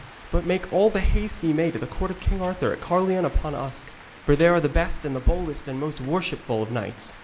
But make all the haste ye may to the court of King Arthur at Caerleon upon Usk, for there are the best and the boldest and the most worshipful of knights.